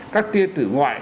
các tiên tử ngoại